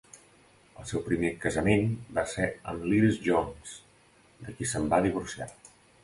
El seu primer casament va ser amb l'Iris Jones, de qui se'n va divorciar.